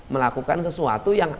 melakukan sesuatu yang